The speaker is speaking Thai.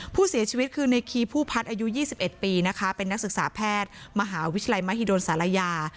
ผู้เสียชีวิตคือในคีผู้พัฒน์อายุ๒๑ปีนะคะเป็นนักศึกษาแพทย์มหาวิทยาลัยมหิดลศาลายา